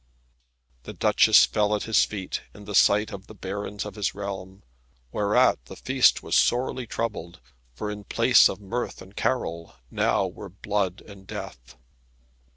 The Duchess fell at his feet, in the sight of the barons of his realm, whereat the feast was sorely troubled, for in place of mirth and carol, now were blood and death.